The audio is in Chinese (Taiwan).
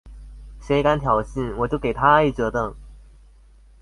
誰敢挑釁，我就給他一折凳！